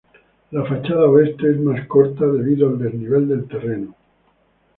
La fachada oeste es más corta debido al desnivel del terreno.